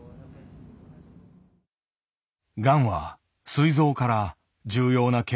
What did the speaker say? がんはすい臓から重要な血管へ浸潤。